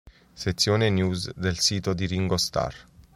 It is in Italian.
Sezione News del Sito di Ringo Starr